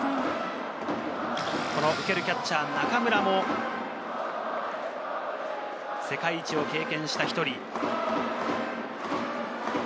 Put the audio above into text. この受けるキャッチャー・中村も世界一を経験した１人。